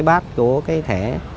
cái bát của cái thẻ